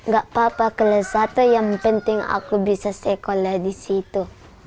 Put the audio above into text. gak apa apa kelas satu yang penting aku bisa sekolah di situ